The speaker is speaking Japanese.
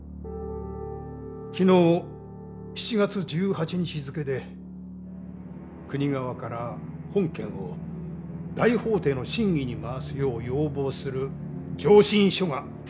昨日７月１８日付で国側から本件を大法廷の審議に回すよう要望する「上申書」が提出されました。